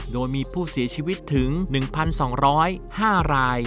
โดยมีผู้เสียชีวิตถึง๑๒๐๕ราย